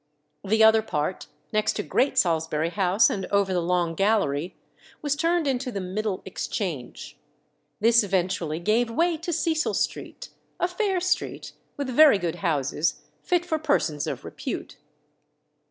The other part, next to Great Salisbury House and over the Long Gallery, was turned into the "Middle Exchange." This eventually gave way to Cecil Street, a fair street, with very good houses, fit for persons of repute.